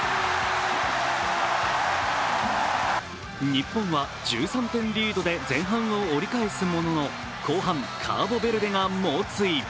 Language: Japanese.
日本は１３点リードで前半を折り返すものの後半、カーボベルデが猛追。